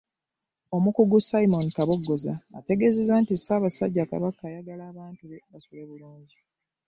Omukungu Simon Kaboggoza, ategeezezza nti Ssaabasajja Kabaka ayagala abantu be basule bulungi